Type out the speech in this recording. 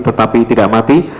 tetapi tidak mati